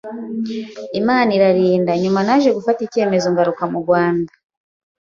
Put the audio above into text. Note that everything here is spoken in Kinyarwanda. Imana irandinda, nyuma naje gufata icyemezo ngaruka mu Rwanda